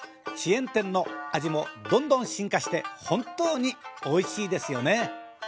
チェーン店の味もどんどん進化して本当に美味しいですよね。